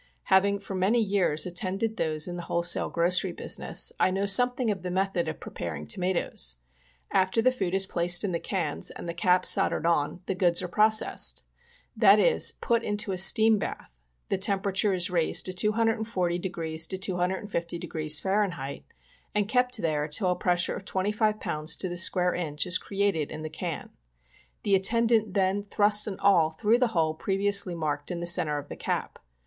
Having for many years attended those in the whole sale grocery business, I know something of the method of preparing tomatoes. After the food is placed in the cans and the cap soldered on, the goods are processed. That is, put into a steam bath — the temperature is raised to 240 degs. to 250 degs. Far. — and kept there till a pressure of 25 lbs. to the square inch is created in the can. The attendant then thrusts an awl through the hole previously marked in the centre of the cap.